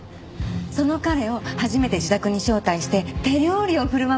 その彼を初めて自宅に招待して手料理を振る舞う予定だったの。